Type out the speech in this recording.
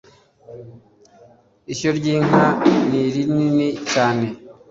ishyo ry’inka ni rinini cyane